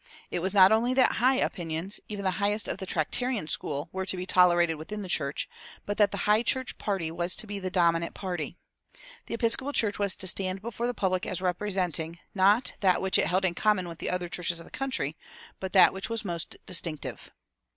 It was not only that "high" opinions, even the highest of the Tractarian school, were to be tolerated within the church, but that the High church party was to be the dominant party. The Episcopal Church was to stand before the public as representing, not that which it held in common with the other churches of the country, but that which was most distinctive.